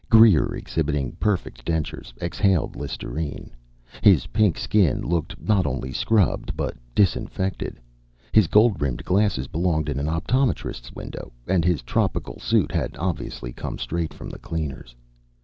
Greer, exhibiting perfect dentures, exhaled Listerine. His pink skin looked not only scrubbed but disinfected; his gold rimmed glasses belonged in an optometrist's window, and his tropical suit had obviously come straight from the cleaner's.